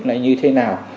là như thế nào